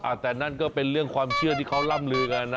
แต่นั่นก็เป็นเรื่องความเชื่อที่เขาร่ำลือกันนะ